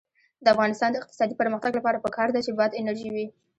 د افغانستان د اقتصادي پرمختګ لپاره پکار ده چې باد انرژي وي.